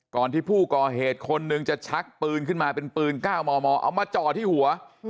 ที่ผู้ก่อเหตุคนหนึ่งจะชักปืนขึ้นมาเป็นปืน๙มมเอามาจ่อที่หัว